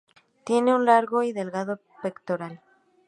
Tiene un largo y delgado pectoral.